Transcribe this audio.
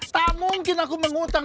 tak mungkin aku mengutang